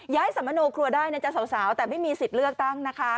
สมโนครัวได้นะจ๊ะสาวแต่ไม่มีสิทธิ์เลือกตั้งนะคะ